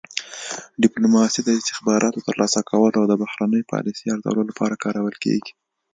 ډیپلوماسي د استخباراتو ترلاسه کولو او د بهرنۍ پالیسۍ ارزولو لپاره کارول کیږي